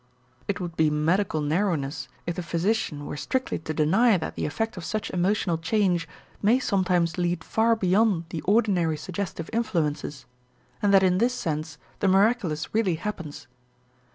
It would be medical narrowness if the physician were strictly to deny that the effect of such emotional change may sometimes lead far beyond the ordinary suggestive influences and that in this sense the miraculous really happens.